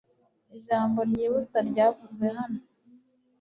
ijambo ryibutsa ryavuzwe hano